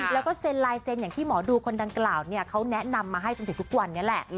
แล้วก็เซ็นลายเซ็นอย่างที่หมอดูคนดังกล่าวเขาแนะนำมาให้จนถึงทุกวันนี้แหละ